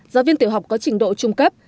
giáo viên tiểu học có trình độ trung cấp